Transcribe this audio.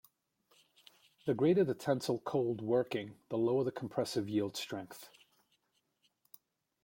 The greater the tensile cold working, the lower the compressive yield strength.